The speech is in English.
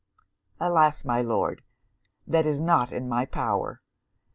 'Alas! my Lord, that is not in my power!